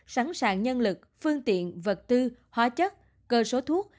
sẵn sàng nhân lực phương tiện vật tư hóa chất cơ số thuốc